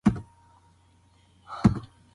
رسنۍ د نویو استعدادونو په موندلو کې مرسته کوي.